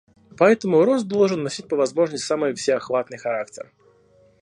Поэтому рост должен носить по возможности самый всеохватный характер.